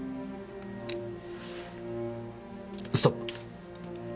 ストップ！